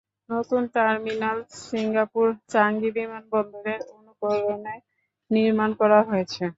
নতুন terminal Singapore Changi বিমানবন্দরের অনুকরণে নির্মাণ করা হয়েছে।